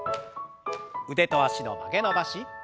腕と脚の曲げ伸ばし。